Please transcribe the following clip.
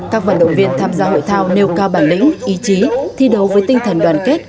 các vận động viên tham gia hội thao nêu cao bản lĩnh ý chí thi đấu với tinh thần đoàn kết